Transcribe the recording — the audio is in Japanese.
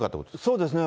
そうですね。